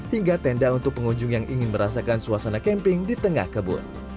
hingga tenda untuk pengunjung yang ingin merasakan suasana camping di tengah kebun